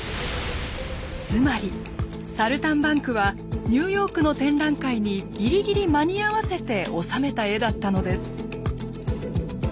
つまり「サルタンバンク」はニューヨークの展覧会にぎりぎり間に合わせて納めた絵だったのです。